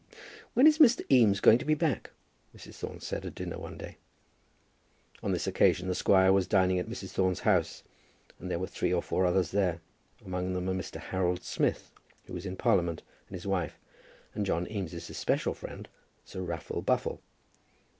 "When is Mr. Eames going to be back?" Mrs. Thorne said at dinner one day. On this occasion the squire was dining at Mrs. Thorne's house; and there were three or four others there, among them a Mr. Harold Smith, who was in Parliament, and his wife, and John Eames's especial friend, Sir Raffle Buffle.